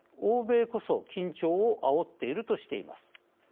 欧米こそ緊張をあおっているとしています。